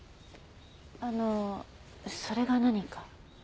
あのそれが何か？